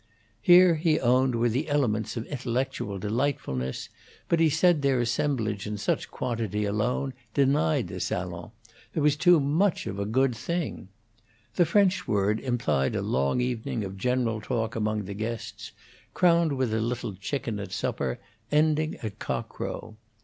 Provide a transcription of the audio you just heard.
Here, he owned, were the elements of intellectual delightfulness, but he said their assemblage in such quantity alone denied the salon; there was too much of a good thing. The French word implied a long evening of general talk among the guests, crowned with a little chicken at supper, ending at cock crow.